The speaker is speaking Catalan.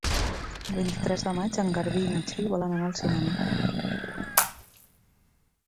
El vint-i-tres de maig en Garbí i na Txell volen anar al cinema.